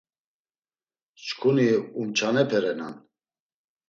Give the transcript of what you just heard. Çkuni umçanepe renan.